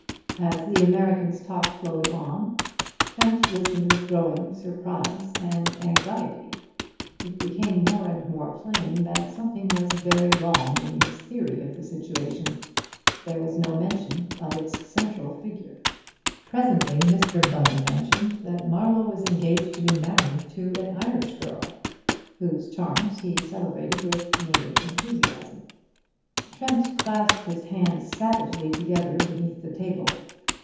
As the American's talk flowed on, Trent listened with growing surprise and anxiety. It became more and more plain that something was very wrong in his theory of the situation; there was no mention of its central figure. Presently Mr. Bunner mentioned that Marlowe was engaged to be married to an Irish girl, whose charms he celebrated with native enthusiasm. Trent clasped his hands savagely together beneath the table.